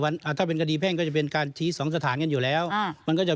ไม่ใช่ผมไม่ได้บอกว่าผมจะเพิ่มจำนวนเยอะนะเมื่อกี้